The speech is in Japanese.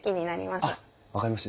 あっ分かりました。